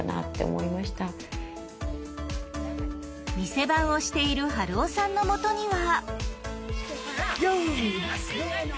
店番をしている春雄さんのもとには。